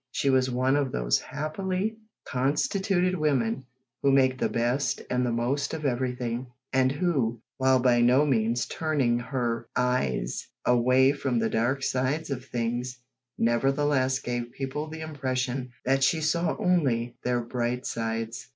She was one of those happily constituted women who make the best and the most of everything, and who, while by no means turning her eyes away from the dark sides of things, nevertheless gave people the impression that she saw only their bright sides.